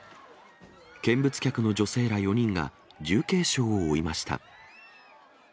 見物客の女性ら４人が重軽傷を負いました。